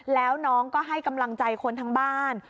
แล้วน้องก็ให้กำลังใจคนทั้งบ้าน